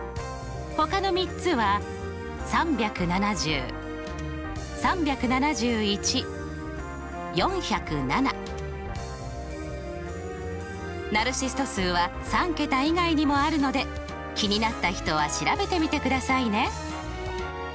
ほかの３つはナルシスト数は３桁以外にもあるので気になった人は調べてみてくださいね。